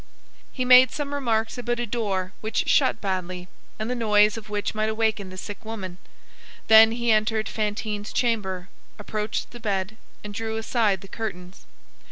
He made some remarks about a door which shut badly, and the noise of which might awaken the sick woman; then he entered Fantine's chamber, approached the bed and drew aside the curtains.